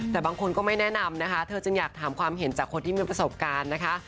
แต่บางคนก็ไม่แนะนำนะคะเธอจึงอยากถามความเห็นจากคนที่มีประสบการณ์นะคะ